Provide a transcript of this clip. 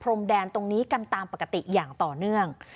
มแดนตรงนี้กันตามปกติอย่างต่อเนื่อง